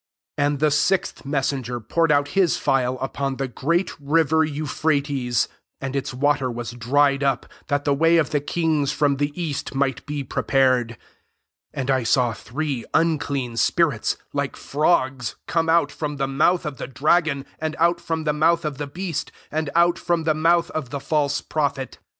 12 And the sixth meaaenger poured out his phial upon the great river Euphrates; and its water was dried up, that the way of the kings from the east might be prepared. 13 And l saw three unclean spirits, like frogs, come out from the mouth of the dragon, and out from the mouth of tlie beast, and out from the mouth of the false prophet.